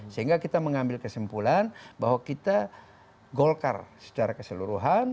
sehingga kita mengambil kesimpulan bahwa kita golkar secara keseluruhan